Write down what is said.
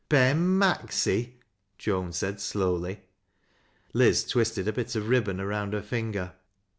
'"'" Ben Maxy I " Joan said slowly. Liz twisted a bit of ribbon around her finger.